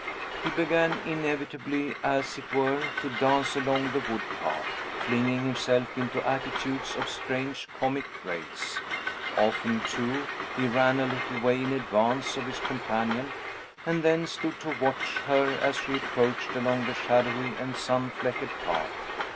He began inevitably, as it were, to dance along the wood path; flinging himself into attitudes of strange comic grace. Often, too, he ran a little way in advance of his companion, and then stood to watch her as she approached along the shadowy and sun fleckered path.